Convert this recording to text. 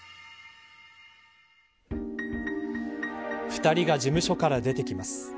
２人が事務所から出てきます。